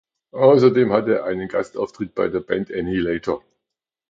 Außerdem hatte er einen Gastauftritt bei der Band Annihilator.